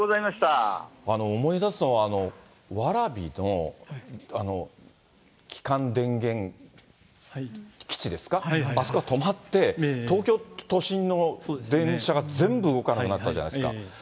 思い出すのは、わらびの基幹電源基地ですか、あそこが止まって、東京都心の電車が全部動かなくなったじゃないですか。